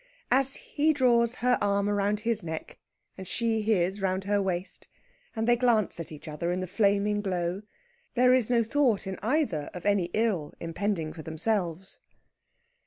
As he draws her arm round his neck and she his round her waist, and they glance at each other in the flaming glow, there is no thought in either of any ill impending for themselves.